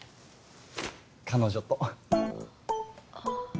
彼女とあ